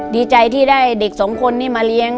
ดีใจที่ได้เด็กสองคนนี้มาเลี้ยง